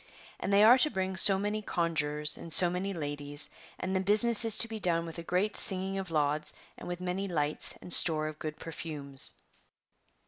'' And they are to bring so many conjurors, and so many ladies, and the business is to be done with a great singing of lauds, and with many lights and store of good perfumes.